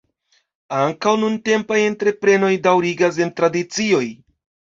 Ankaŭ nuntempaj entreprenoj daŭrigas en tradicioj.